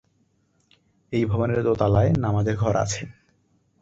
এই ভবনের দোতলায় নামাজের ঘর আছে।